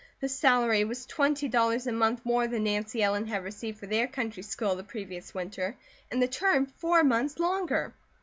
The salary was twenty dollars a month more than Nancy Ellen had received for their country school the previous winter and the term four months longer.